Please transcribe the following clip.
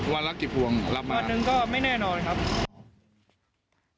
วันละกี่พวงรับมาวันหนึ่งก็ไม่แน่นอนครับ